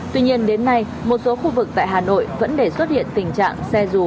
tuy nhiên đến nay một số khu vực tại hà nội vẫn để xuất hiện tình trạng xe rùa